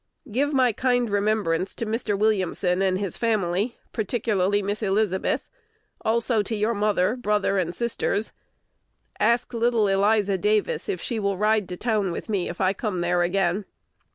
Give my kind remembrance to Mr. Williamson and his family, particularly Miss Elizabeth; also to your mother, brother, and sisters. Ask little Eliza Davis if she will ride to town with me if I come there again.